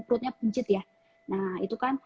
perutnya pencit ya nah itu kan